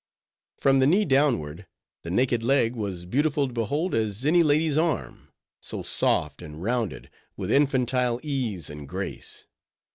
From the knee downward, the naked leg was beautiful to behold as any lady's arm; so soft and rounded, with infantile ease and grace.